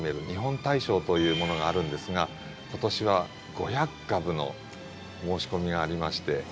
「日本大賞」というものがあるんですが今年は５００株の申し込みがありまして。